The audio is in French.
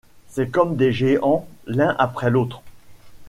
C’était comme des géants l’un après l’autre.